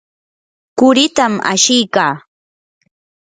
quritam ashikaa.